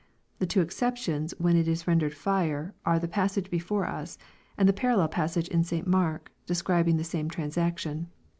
The two exceptions when it is rendered " fire," are the passage before us, and the par allel passage in St. Mark, describing the same transaction.